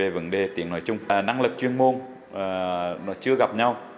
vấn đề tiện nói chung là năng lực chuyên môn nó chưa gặp nhau